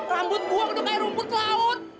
rambut gua udah kayak rumput laut